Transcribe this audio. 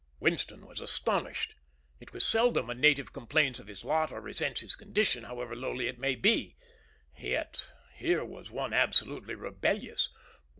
Winston was astonished. It is seldom a native complains of his lot or resents his condition, however lowly it may be. Yet here was one absolutely rebellious.